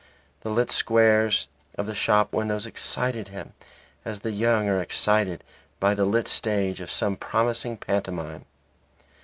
The lit squares of the shop windows excited him as the young are excited by the lit stage of some promising pantomime.